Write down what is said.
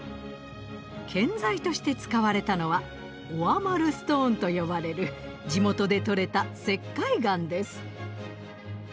建材として使われたのはオアマルストーンと呼ばれる地元で採れた石灰岩です。